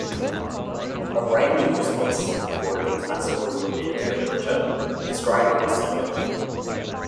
A range of responses is recorded in classical rabbinic literature, describing this subject.